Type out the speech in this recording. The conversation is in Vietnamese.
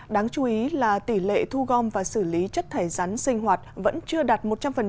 đáng chú ý là tỷ lệ thu gom và xử lý chất thải rắn sinh hoạt vẫn chưa đạt một trăm linh